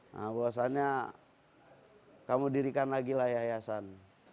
nah bahwasannya kamu dirikan lagi lah yayasan